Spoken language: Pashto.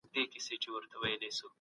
تاريخ يوازې د پاچاهانو کيسې نه دي.